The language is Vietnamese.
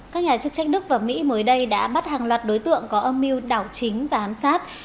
các nhà chức trách đức và mỹ mới đây đã bắt hàng loạt đối tượng có âm mưu đảo chính và ám sát